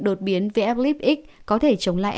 đột biến v lib x có thể chống lại